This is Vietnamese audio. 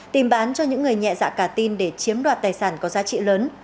tìm bán cho những người nhẹ dạ cả tin để chiếm đoạt tài sản có giá trị lớn